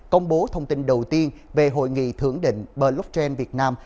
công bố thông tin đầu tiên về hội nghị thượng đỉnh blockchain việt nam